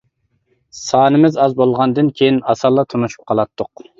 سانىمىز ئاز بولغاندىن كىيىن ئاسانلا تونۇشۇپ قالاتتۇق.